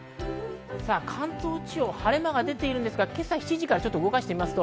関東地方、晴れ間が出ているんですが今朝７時から動かしていきます。